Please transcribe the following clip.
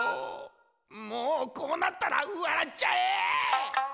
「もうこうなったら笑っちゃえ」